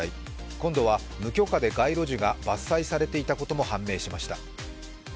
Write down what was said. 今度は無許可で街路樹が伐採されていたことも判明しました。